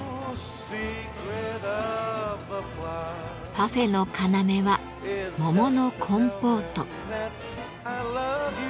パフェの要は桃のコンポート。